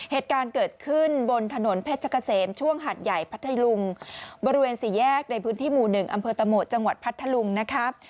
เหตุการณ์เกิดขึ้นบนถนนเพชรเกษมช่วงหัดใหญ่พัทธลุงบริเวณสี่แยกในพื้นที่หมู่๑อำเภอตะโหมดจังหวัดพัทธลุงนะครับ